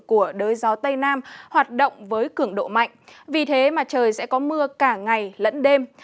của đới gió tây nam hoạt động với cường độ mạnh vì thế mà trời sẽ có mưa cả ngày lẫn đêm